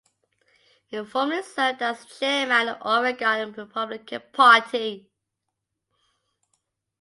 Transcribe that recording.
He formerly served as Chairman of the Oregon Republican Party.